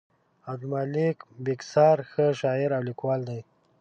عبدالمالک بېکسیار ښه شاعر او لیکوال دی.